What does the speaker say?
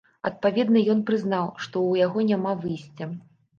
Адпаведна ён прызнаў, што ў яго няма выйсця.